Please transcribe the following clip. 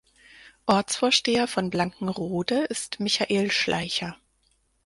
Ortsvorsteher von Blankenrode ist Michael Schleicher.